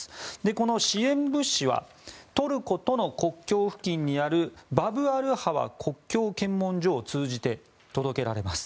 この支援物資はトルコとの国境付近にあるバブ・アル・ハワ国境検問所を通じて届けられます。